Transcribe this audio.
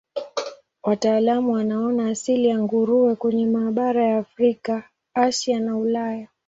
Wataalamu wanaona asili ya nguruwe kwenye mabara ya Afrika, Asia na Ulaya.